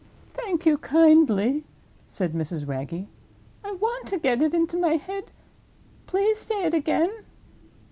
"Thank you kindly," said Mrs. Wragge, "I want to get it into my head; please say it again."